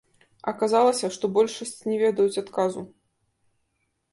Аказалася, што большасць не ведаюць адказу.